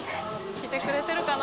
着てくれてるかな？